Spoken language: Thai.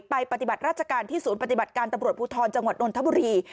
ปฏิบัติราชการที่ศูนย์ปฏิบัติการตำรวจภูทรจังหวัดนนทบุรี